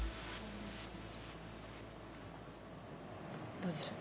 どうでしょう？